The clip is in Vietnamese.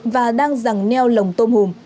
và đang ràng neo lồng tôm hùm